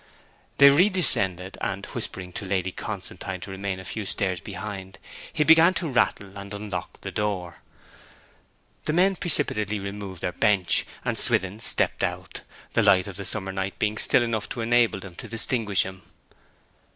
They redescended, and, whispering to Lady Constantine to remain a few stairs behind, he began to rattle and unlock the door. The men precipitately removed their bench, and Swithin stepped out, the light of the summer night being still enough to enable them to distinguish him.